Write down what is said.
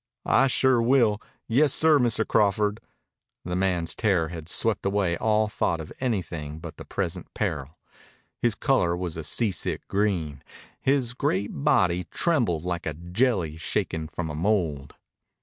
"I sure will. Yessir, Mr. Crawford." The man's terror had swept away all thought of anything but the present peril. His color was a seasick green. His great body trembled like a jelly shaken from a mould.